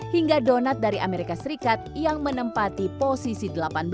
hingga donat dari amerika serikat yang menempati posisi delapan belas